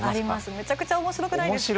むちゃくちゃ面白くないですか？